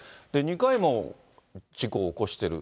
２回も事故を起こしてる。